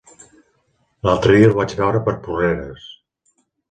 L'altre dia el vaig veure per Porreres.